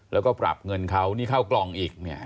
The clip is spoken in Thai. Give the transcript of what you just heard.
แล้วก็ปรับเงินเขานี่เข้ากล่องอีกเนี่ย